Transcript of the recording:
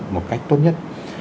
một cách tốt nhất